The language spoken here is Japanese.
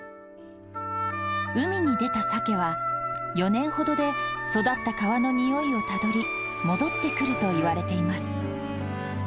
海の出たサケは、４年ほどで育った川のにおいをたどり、戻ってくるといわれています。